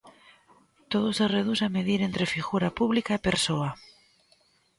Todo se reduce a medir entre figura pública e persoa.